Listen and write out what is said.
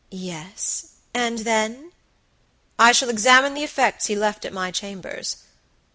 "Yes, and then?" "I shall examine the effects he left at my chambers."